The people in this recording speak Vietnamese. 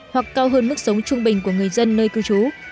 hoặc cao hơn mức sống trung bình của người dân nơi cư trú